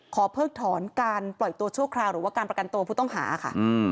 เพิกถอนการปล่อยตัวชั่วคราวหรือว่าการประกันตัวผู้ต้องหาค่ะ